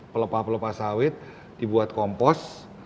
pelepah pelepah sawit dibuat kompos